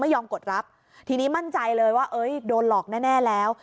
ยอมกดรับทีนี้มั่นใจเลยว่าเอ้ยโดนหลอกแน่แล้ว